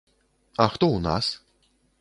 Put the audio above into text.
А хто ў нас?